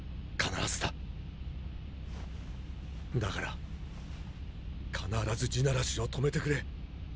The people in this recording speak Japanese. だから必ず「地鳴らし」を止めてくれ。